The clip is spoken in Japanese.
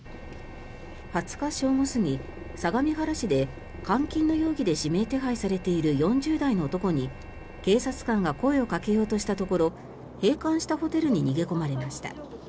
２０日正午過ぎ、相模原市で監禁の容疑で指名手配されている４０代の男に警察官が声をかけようとしたところ閉館したホテルに逃げ込まれました。